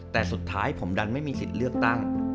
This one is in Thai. แต่สุดท้ายผมดันไม่มีสิทธิ์เลือกตั้ง